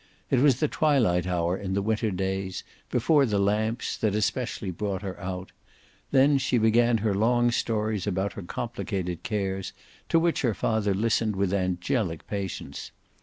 It was the twilight hour in the winter days, before the lamps, that especially brought her out; then she began her long stories about her complicated cares, to which her father listened with angelic patience.